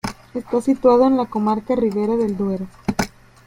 Está situado en la comarca Ribera del Duero.